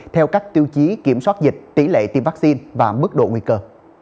theo các tiêu chí kiểm soát dịch tỷ lệ tiêm vaccine và mức độ nguy cơ